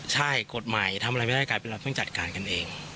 ใช่กฎหมายทำอะไรไม่ได้กลายเป็นเราเพิ่งจัดการกันเอง